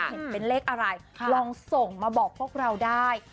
เห็นเป็นเลขอะไรลองส่งมาบอกพวกเราได้